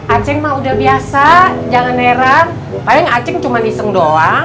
aceh mah udah biasa jangan nerang paling aceh cuma diseng doang